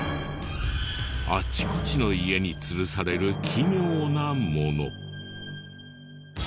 あちこちの家につるされる奇妙なもの。